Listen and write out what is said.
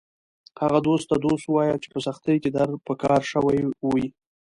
هغه دوست ته دوست ووایه چې په سختۍ کې در په کار شوی و